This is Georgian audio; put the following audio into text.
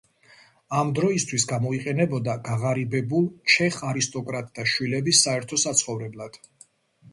იმ დროისთვის გამოიყენებოდა გაღარიბებულ ჩეხ არისტოკრატთა შვილების საერთო საცხოვრებლად.